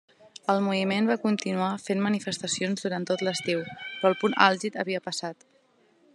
El moviment va continuar fent manifestacions durant tot l'estiu, però el punt àlgid havia passat.